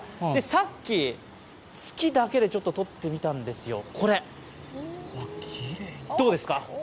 さっき、月だけでちょっと撮ってみたんですよ、これどうですか？